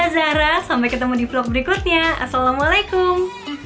aku jb azhara sampai ketemu di vlog berikutnya assalamualaikum